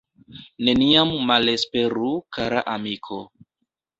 Neniam malesperu kara amiko.